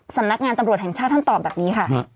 สำนักงานตำรวจแห่งชาติท่านตอบแบบนี้ค่ะ